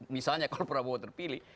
misalnya kalau rabowo terpilih